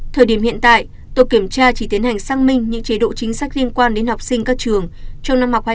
thời điểm hiện tại tổ kiểm tra chỉ tiến hành xăng minh những chế độ chính sách liên quan đến học sinh các trường trong năm học hai nghìn hai mươi ba hai nghìn hai mươi bốn